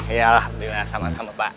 iya alhamdulillah sama sama pak